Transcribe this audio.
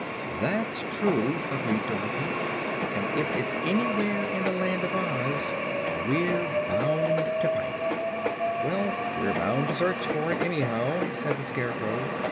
"That's true," agreed Dorothy; "and, if it's anywhere in the Land of Oz, we're bound to find it." "Well, we're bound to search for it, anyhow," said the Scarecrow.